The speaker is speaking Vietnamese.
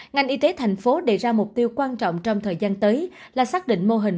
ngành y tế thành phố đề ra mục tiêu quan trọng trong thời gian tới là xác định mô hình